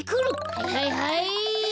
はいはいはい！